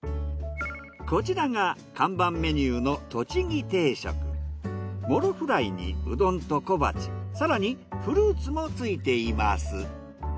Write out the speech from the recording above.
こちらが看板メニューのモロフライにうどんと小鉢更にフルーツも付いています。